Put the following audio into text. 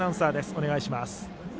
お願いします。